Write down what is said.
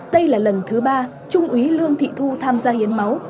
đây là lần thứ ba trung úy lương thị thu tham gia hiến máu